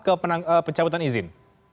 ke pencabutan izin